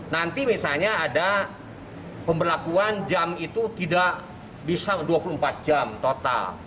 nanti misalnya ada pemberlakuan jam itu tidak bisa dua puluh empat jam total